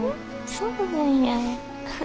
そうなんや。